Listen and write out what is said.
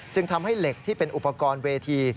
ทำให้เหล็กที่เป็นอุปกรณ์เวที